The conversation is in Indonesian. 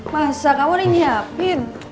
masa kamu udah nyiapin